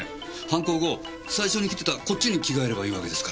犯行後最初に着てたこっちに着替えればいいわけですから。